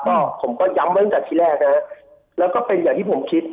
ก็ผมก็ย้ำไว้ตั้งแต่ที่แรกนะฮะแล้วก็เป็นอย่างที่ผมคิด